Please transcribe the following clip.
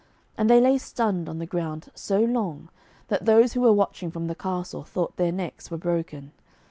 And they lay stunned on the ground so long, that those who were watching from the castle thought their necks were broken.